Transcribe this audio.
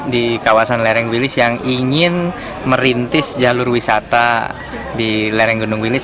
di kawasan lereng wilis yang ingin merintis jalur wisata di lereng gunung wilis